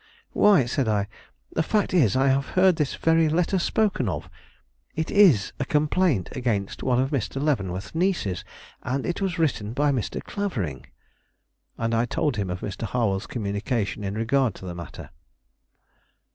"Why," said I, "the fact is I have heard this very letter spoken of. It is a complaint against one of Mr. Leavenworth's nieces, and was written by Mr. Clavering." And I told him of Mr. Harwell's communication in regard to the matter.